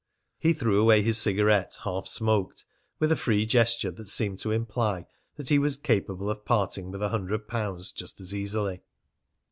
He threw away his cigarette half smoked, with a free gesture that seemed to imply that he was capable of parting with a hundred pounds just as easily.